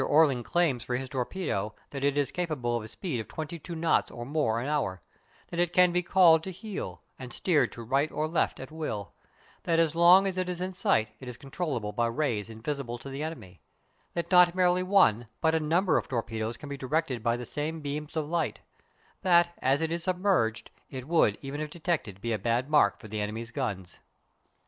Orling claims for his torpedo that it is capable of a speed of twenty two knots or more an hour; that it can be called to heel, and steered to right or left at will; that as long as it is in sight it is controllable by rays invisible to the enemy; that not merely one, but a number of torpedoes can be directed by the same beams of light; that, as it is submerged, it would, even if detected, be a bad mark for the enemy's guns.